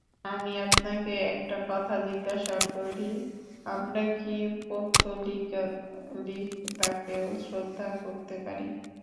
আমি আপনাকে একটা কথা জিজ্ঞাসা করি, আমরা কি পৌত্তলিকতাকেও শ্রদ্ধা করতে পারি?